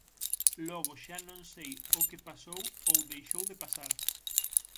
Logo xa non sei o que pasou ou deixou de pasar;